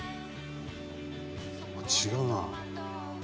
違うな。